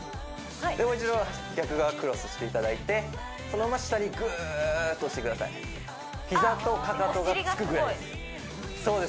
もう一度逆側クロスしていただいてそのまま下にぐーっと落ちてくださいあっお尻がすごいそうです